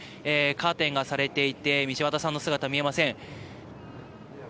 カーテンがされていて道端さんの姿は見えません。